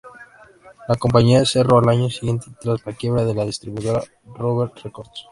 La compañía cerró al año siguiente tras la quiebra de la distribuidora Dover Records.